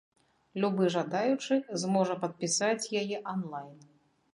Любы жадаючы зможа падпісаць яе анлайн.